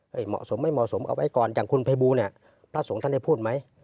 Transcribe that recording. เหมาะสมไม่เหมาะสมเอาไว้ก่อนอย่างคุณภัยบูลเนี่ยพระสงฆ์ท่านได้พูดไหม